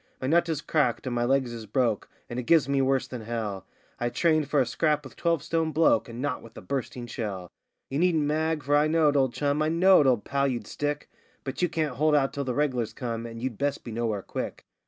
My nut is cracked and my legs is broke, and it gives me worse than hell; I trained for a scrap with a twelve stone bloke, and not with a bursting shell. You needn't mag, for I knowed, old chum, I knowed, old pal, you'd stick; But you can't hold out till the reg'lars come, and you'd best be nowhere quick.